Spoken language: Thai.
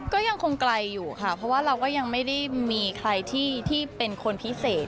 ก็ยังคงไกลอยู่ค่ะเพราะว่าเราก็ยังไม่ได้มีใครที่เป็นคนพิเศษ